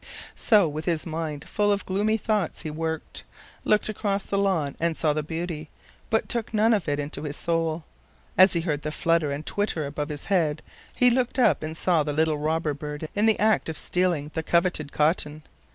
So with his mind full of gloomy thoughts he worked, looked across the lawn and saw the beauty, but took none of it into his soul. As he heard the flutter and twitter above his head he looked up and saw the little robber bird in the act of stealing the coveted cotton.